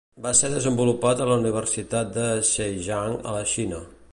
Va ser desenvolupat a la universitat de Zhejiang a la Xina.